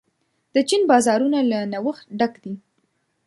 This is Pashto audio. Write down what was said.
د چین بازارونه له نوښت ډک دي.